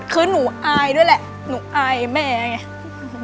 คือหนูอายด้วยแหละหนูอายแม่ไง